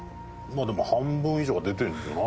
まあでも半分以上は出てるんじゃないの？